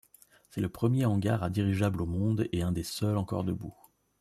C'est le premier hangar à dirigeables au monde et un des seuls encore debout.